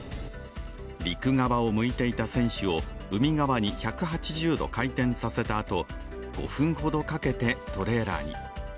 陸側を向いていた船首を海側に１８０度回転させたあと、５分ほどかけてトレーラーに。